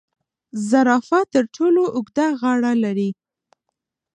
زرافه تر ټولو اوږده غاړه لري